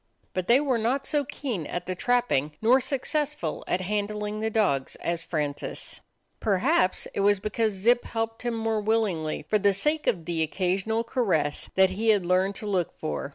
But they were not so keen at the trapping nor so successful at handling the dogs as Francis. Perhaps it 31 DOG HEROES OF MANY LANDS was because Zip helped him more willingly for the sake of the occasional caress that he had learned to look for.